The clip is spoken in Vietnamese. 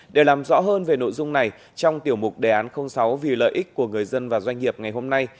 để làm rõ hơn về nội dung này trong tiểu mục đề án sáu vì lợi ích của người dân và doanh nghiệp ngày hôm nay